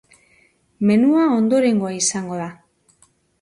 Menua ondorengoa izango da.